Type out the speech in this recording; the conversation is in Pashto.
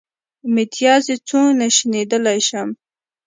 متيازې څونه شيندلی شمه.